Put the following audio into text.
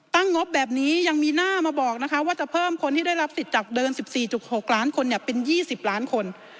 งบแบบนี้ยังมีหน้ามาบอกนะคะว่าจะเพิ่มคนที่ได้รับสิทธิ์จากเดิม๑๔๖ล้านคนเป็น๒๐ล้านคน